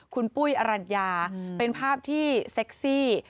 คุณปุ้ยอรัญญาเป็นภาพที่เซ็กซี่